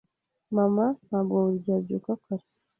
Mama ntabwo buri gihe abyuka kare.